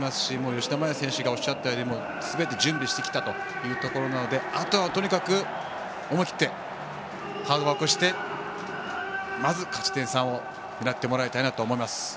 吉田麻也選手がおっしゃったようにすべて準備してきたということなのであとはとにかく思い切ってハードワークしてまず勝ち点３を狙ってもらいたいなと思います。